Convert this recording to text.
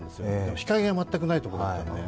日陰が全くないところだったので。